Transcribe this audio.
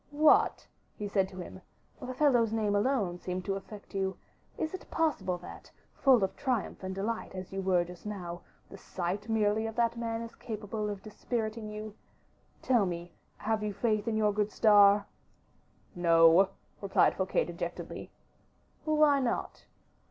"What!" he said to him, "the fellow's name alone seemed to affect you. Is it possible that, full of triumph and delight as you were just now, the sight merely of that man is capable of dispiriting you? Tell me, have you faith in your good star?" "No," replied Fouquet, dejectedly. "Why not?"